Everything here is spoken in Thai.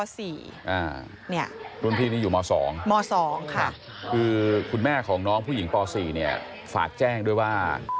รุ่นพี่นี้อยู่ม๒ม๒ค่ะคือคุณแม่ของน้องผู้หญิงป๔เนี่ยฝากแจ้งด้วยว่า